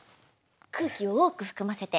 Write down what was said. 空気を多く含ませて。